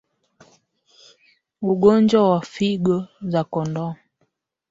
Ugonjwa wa figo za kondoo